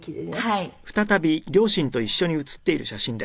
はい。